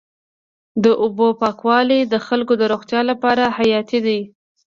د اوبو پاکوالی د خلکو د روغتیا لپاره حیاتي دی.